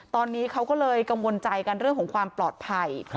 ตอนนี้เขาก็เลยกังวลใจกันเรื่องของความปลอดภัย